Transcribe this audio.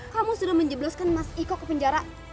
kamu sudah menjebloskan mas iko ke penjara